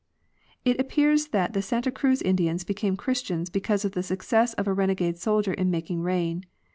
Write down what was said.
It ap pears that the Santa Cruz Indians became Christians because of the success of a renegade soldier in making rain.